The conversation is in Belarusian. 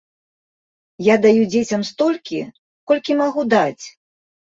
Я даю дзецям столькі, колькі магу даць.